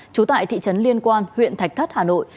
trú tại thị trấn liên quan huyện thạch thất hà nội